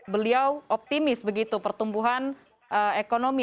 beliau optimis begitu pertumbuhan ekonomi